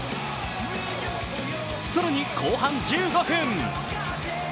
更に後半１５分。